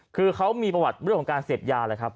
คือเขามีประวัติเรื่องของการเสพยาแหละครับ